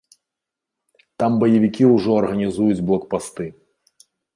Там баевікі ўжо арганізуюць блокпасты.